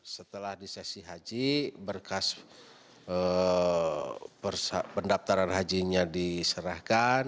setelah disesi haji berkas pendaftaran hajinya diserahkan